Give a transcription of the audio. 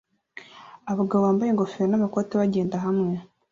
abagabo bambaye ingofero namakoti bagenda hamwe